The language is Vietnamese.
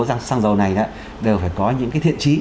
rằng xăng dầu này đều phải có những cái thiện trí